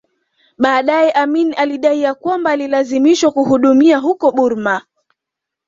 Baadae Amin alidai ya kwamba alilazimishwa kuhudumia huko Burma